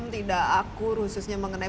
tidak akur khususnya mengenai